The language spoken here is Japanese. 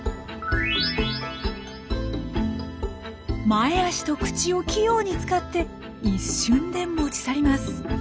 前足と口を器用に使って一瞬で持ち去ります。